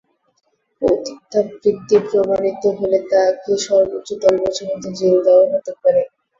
পতিতাবৃত্তি প্রমাণিত হলে তাকে সর্বোচ্চ দশ বছর পর্যন্ত জেল দেওয়া হতে পারে।